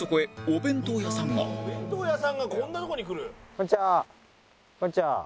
「お弁当屋さんがこんなとこに来る？」